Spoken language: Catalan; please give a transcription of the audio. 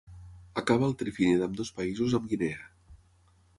Acaba al trifini d'ambdós països amb Guinea.